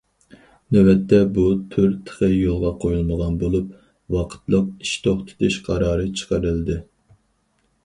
نۆۋەتتە بۇ تۈر تېخى يولغا قويۇلمىغان بولۇپ، ۋاقىتلىق ئىش توختىتىش قارارى چىقىرىلدى.